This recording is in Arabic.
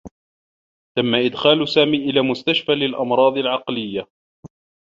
تمّ إدخال سامي إلى مستشفى للأمراض العقليّة.